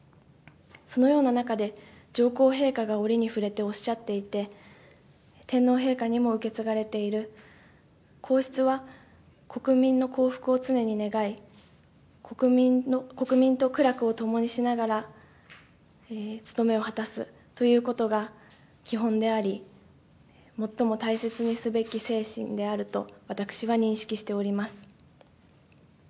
そのような中で、上皇陛下が折に触れておっしゃっていて、天皇陛下にも受け継がれている皇室は国民の幸福を常に願い、国民と苦楽を共にしながら務めを果たすということが基本であり、最も大切にすべき精神であると私は認識しております。